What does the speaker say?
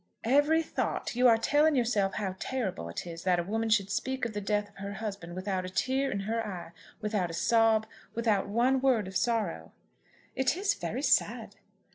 "Every thought. You are telling yourself how terrible it is that a woman should speak of the death of her husband without a tear in her eye, without a sob, without one word of sorrow." "It is very sad."